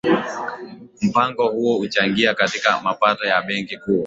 mpango huo unachangia katika mapato ya benki kuu